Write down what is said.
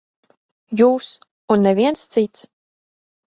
Jūs un neviens cits.